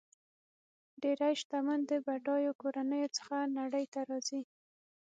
ډېری شتمن د بډایو کورنیو څخه نړۍ ته راځي.